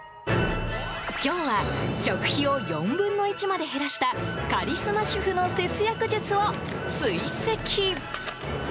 今日は食費を４分の１まで減らしたカリスマ主婦の節約術を追跡。